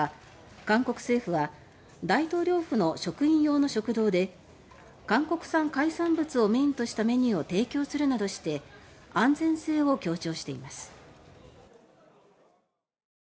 韓国政府は大統領府の職員用食堂で韓国産海産物をメインとしたメニューを提供するなどして安全性を強調しています。